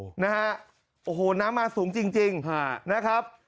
โอ้โหนะฮะโอ้โหน้ำมาสูงจริงนะครับ